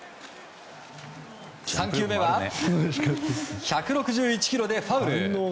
３球目は１６１キロでファウル。